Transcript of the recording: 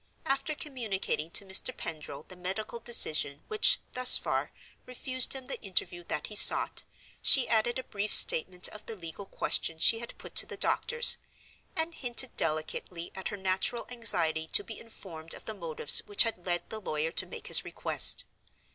After communicating to Mr. Pendril the medical decision which, thus far, refused him the interview that he sought, she added a brief statement of the legal question she had put to the doctors; and hinted delicately at her natural anxiety to be informed of the motives which had led the lawyer to make his request.